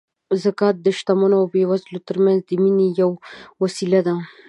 زکات د شتمنو او بېوزلو ترمنځ د مینې او یووالي وسیله ده.